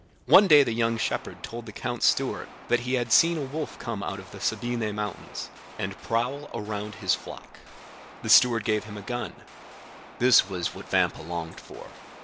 "One day the young shepherd told the count's steward that he had seen a wolf come out of the Sabine mountains, and prowl around his flock. The steward gave him a gun; this was what Vampa longed for.